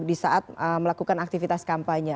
di saat melakukan aktivitas kampanye